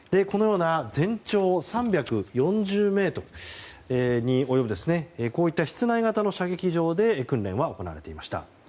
全長３４０ｍに及ぶこういった室内型の射撃場で訓練は行われていました。